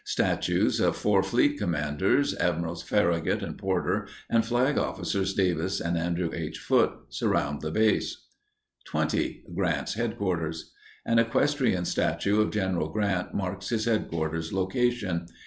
Statues of four fleet commanders, Admirals Farragut and Porter and Flag Officers Davis and Andrew H. Foote, surround the base. 20. GRANT'S HEADQUARTERS. An equestrian statute of General Grant marks his headquarters location.